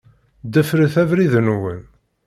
Ḍefṛet abrid-nwen.